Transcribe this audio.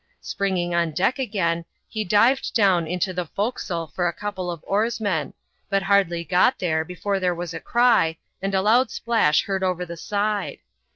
Springing on deck again, he dived down into the forecastle for a couple of oarsmen, but hardly got there before there was a cry, and a loud splash heard over the side.